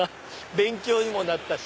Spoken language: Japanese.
勉強にもなったし。